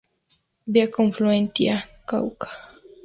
Vía "Confluentia"-"Cauca".